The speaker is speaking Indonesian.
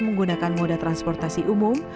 menggunakan moda transportasi umum